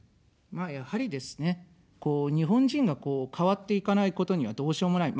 まあ、やはりですね、日本人が変わっていかないことにはどうしようもない。